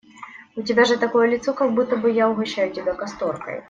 У тебя же такое лицо, как будто бы я угощаю тебя касторкой.